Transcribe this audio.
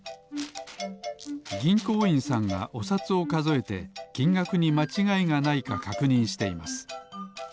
ぎんこういんさんがおさつをかぞえてきんがくにまちがいがないかかくにんしています。